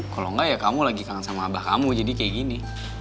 kalau enggak ya kamu lagi kangen sama abah kamu jadi kayak gini